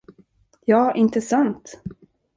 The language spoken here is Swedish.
Ja, inte sant?